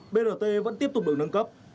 brt vẫn tiếp tục được nâng cấp